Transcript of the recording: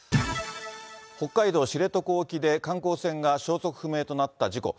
北海道知床沖で、観光船が消息不明となった事故。